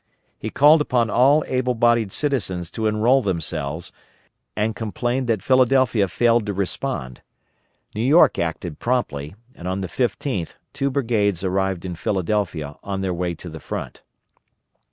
He called upon all able bodied citizens to enroll themselves, and complained that Philadelphia failed to respond. New York acted promptly, and on the 15th two brigades arrived in Philadelphia on their way to the front.